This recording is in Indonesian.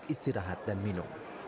istirahat dan minum